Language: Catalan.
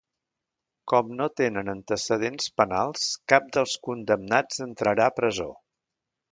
Com no tenen antecedents penals, cap dels condemnats entrarà a presó.